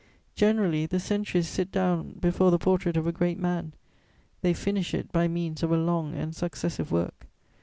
Generally, the centuries sit down before the portrait of a great man, they finish it by means of a long and successive work.